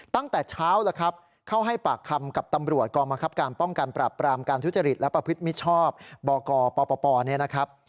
ตั้งแต่เช้าแล้วครับเข้าให้ปากคำกับตำรวจกองบังคับการป้องกันปรับปรามการทุจริตและประพฤติมิชชอบบกปปเนี่ยนะครับ